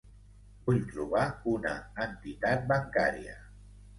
Vull trobar una entitat bancària.